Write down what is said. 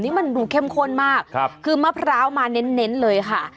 นี่มันดูเข้มข้นมากคือมะพร้าวมาเน้นเลยค่ะ